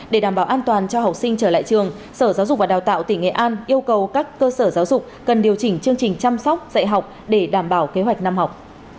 để đảm bảo an toàn cho học sinh trở lại trường sở giáo dục và đào tạo tỉnh nghệ an yêu cầu các cơ sở giáo dục cần điều chỉnh chương trình chăm sóc dạy học để đảm bảo kế hoạch năm học